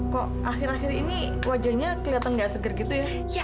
kok akhir akhir ini wajahnya kelihatan gak seger gitu ya